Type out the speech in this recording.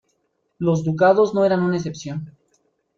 Los ducados no eran una excepción.